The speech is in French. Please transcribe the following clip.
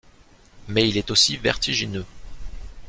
Mais il est aussi vertigineux.